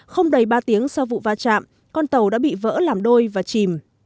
không đầy ba tiếng sau vụ va chạm con tàu đã bị vỡ làm đôi và chìm